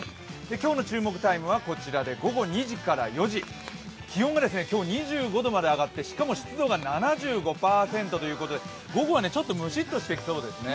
今日の注目タイムは午後２時から４時、気温が今日、２５度まで上がって、しかも湿度が７５％ということで午後はちょっとムシッとしてきそうですね。